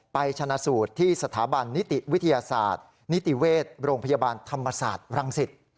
ชนะสูตรที่สถาบันนิติวิทยาศาสตร์นิติเวชโรงพยาบาลธรรมศาสตร์รังสิต